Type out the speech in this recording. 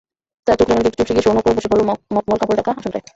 তার চোখরাঙানিতে একটু চুপসে গিয়ে শৌনকও বসে পড়ল মখমল কাপড়ে ঢাকা আসনটায়।